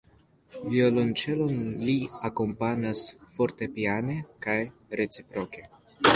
Violonĉelon; li akompanas fortepiane kaj reciproke.